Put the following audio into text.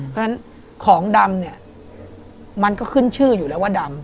เพราะฉะนั้นของดำเนี่ยมันก็ขึ้นชื่ออยู่แล้วว่าดำ